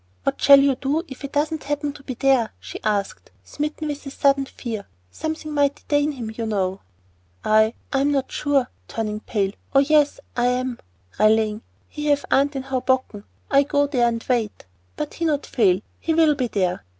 "What shall you do if he doesn't happen to be there?" she asked, smitten with a sudden fear. "Something might detain him, you know." "I I am not sure," turning pale. "Oh, yes, I am," rallying. "He have aunt in Howbokken. I go there and wait. But he not fail; he will be here."